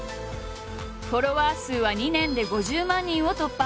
フォロワー数は２年で５０万人を突破！